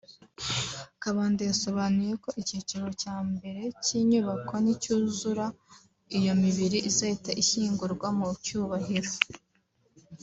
Kabanda yasobanuye ko icyiciro cya mbere cy’inyubako nicyuzura iyo mibiri izahita ishyingurwa mu cyubahiro